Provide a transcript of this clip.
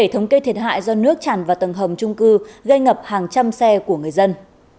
thống kê thiệt hại do nước tràn vào tầng hầm trung cư gây ngập hàng trăm xe của người dân